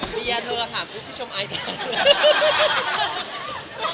มีอย่างเธอถามผู้ชมอายแทน